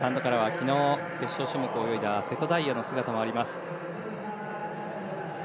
スタンドからは昨日、決勝種目を泳いだ瀬戸大也の姿もあります。